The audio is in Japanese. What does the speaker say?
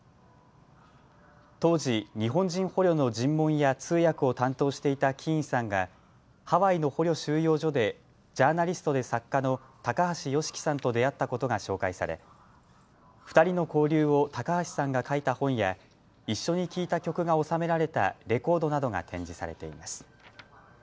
当時、日本人捕虜の尋問や通訳を担当していたキーンさんがハワイの捕虜収容所でジャーナリストで作家の高橋義樹さんと出会ったことが紹介され２人の交流を高橋さんが書いた本や一緒に聴いた曲が収められたレコードなどが展示されています。